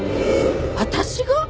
私が？